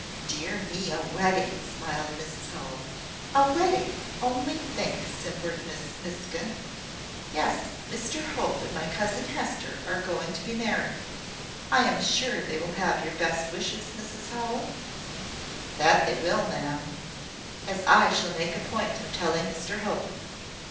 "Dear me, a wedding!" smiled Mrs Howell. "A wedding! Only think!" simpered Miss Miskin. "Yes: Mr Hope and my cousin Hester are going to be married. I am sure they will have your best wishes, Mrs Howell?" "That they will, ma'am, as I shall make a point of telling Mr Hope.